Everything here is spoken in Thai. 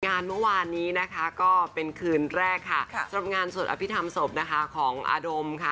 งานเมื่อวานนี้นะคะก็เป็นคืนแรกค่ะสำหรับงานสวดอภิษฐรรมศพนะคะของอาดมค่ะ